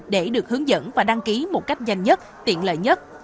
để được hướng dẫn và đăng ký một cách nhanh nhất tiện lợi nhất